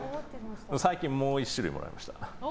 最近もう１種類もらいました。